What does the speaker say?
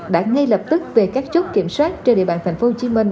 đã ngay lập tức về các chốt kiểm soát trên địa bàn thành phố hồ chí minh